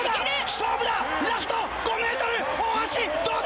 勝負だ！